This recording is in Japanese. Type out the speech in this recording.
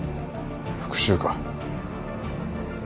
復讐か？